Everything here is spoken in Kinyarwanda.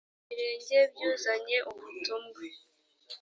ibirenge by’uzanye ubutumwa